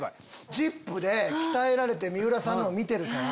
『ＺＩＰ！』で鍛えられて水卜さんのを見てるから。